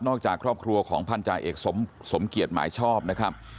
จากครอบครัวของพันธาเอกสมเกียจหมายชอบนะครับ